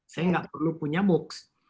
saya tidak perlu punya moocs